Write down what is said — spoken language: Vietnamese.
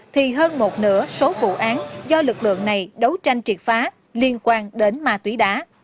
thì hơn một nửa số vụ án do lực lượng này đấu tranh triệt phá liên quan đến ma túy đá